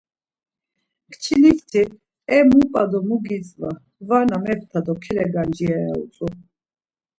Kçinik ti, E, mu p̌a do mu gitzva, varna mepta do gelegancira ya utzu.